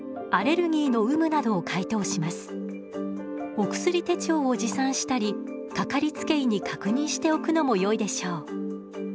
お薬手帳を持参したり掛かりつけ医に確認しておくのもよいでしょう。